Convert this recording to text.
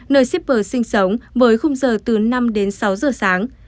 nơi shipper sinh sống với khung giờ từ năm đến sáu giờ sáng